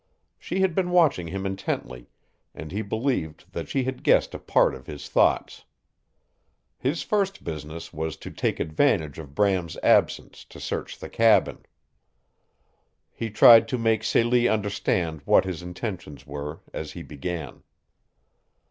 She had been watching him intently and he believed that she had guessed a part of his thoughts. His first business was to take advantage of Brain's absence to search the cabin. He tried to make Celie understand what his intentions were as he began.